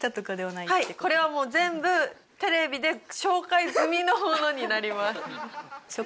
はいこれはもう全部テレビで紹介済みのものになります。